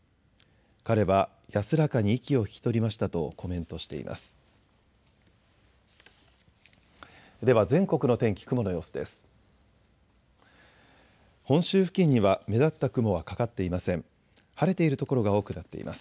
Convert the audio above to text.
彼は安らかに息を引き取りましたとコメントしています。